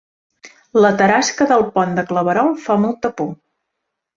La tarasca del Pont de Claverol fa molta por